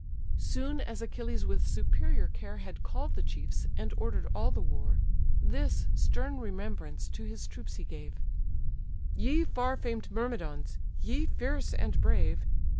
Soon as Achilles with superior care Had call'd the chiefs, and order'd all the war, This stern remembrance to his troops he gave: "Ye far famed Myrmidons, ye fierce and brave!